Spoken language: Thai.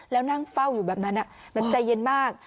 แล้วนั่งเฝ้าอยู่แบบนั้นแบบใจเย็นมาก